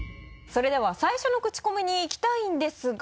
それでは最初のクチコミにいきたいんですが。